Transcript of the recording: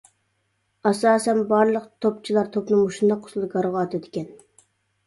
ئاساسەن بارلىق توپچىلار توپنى مۇشۇنداق ئۇسۇلدا گارغا ئاتىدىكەن.